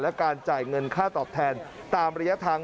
คือเราต้องการความเป็นธรรมจากบริษัทอ่ะค่ะ